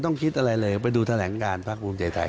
คิดอะไรเลยไปดูแถลงการพักภูมิใจไทย